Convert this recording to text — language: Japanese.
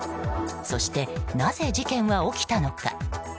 そして、なぜ事件は起きたのか。